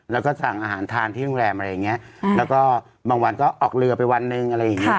แล้วก็สั่งอาหารทานที่โรงแรมอะไรอย่างเงี้ยแล้วก็บางวันก็ออกเรือไปวันหนึ่งอะไรอย่างนี้